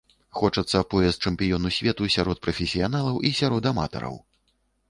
Хочацца пояс чэмпіёна свету сярод прафесіяналаў і сярод аматараў.